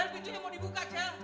pintunya mau dibuka cel